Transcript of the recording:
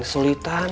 kamu gak tau kan